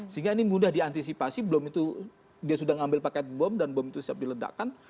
sehingga ini mudah diantisipasi belum itu dia sudah mengambil paket bom dan bom itu siap diledakkan